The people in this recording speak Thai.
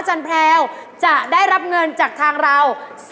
แพลวจะได้รับเงินจากทางเรา